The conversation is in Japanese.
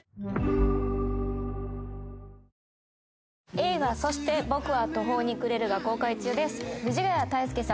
映画「そして僕は途方に暮れる」が公開中です藤ヶ谷太輔さん